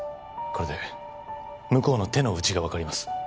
これで向こうの手の内が分かります